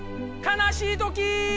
かなしいときー！